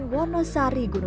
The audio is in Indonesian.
di mana gimna dikenal di mana